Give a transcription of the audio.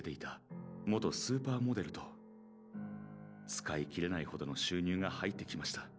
使いきれないほどの収入が入ってきました。